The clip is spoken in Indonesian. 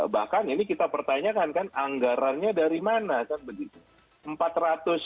bahkan ini kita pertanyakan kan anggarannya dari mana kan begitu